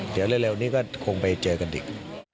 เดี๋ยวเร็วนี้ก็คงไปเจอกันอีก